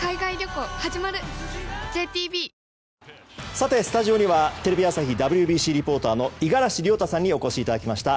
さて、スタジオにはテレビ朝日ＷＢＣリポーターの五十嵐亮太さんにお越しいただきました。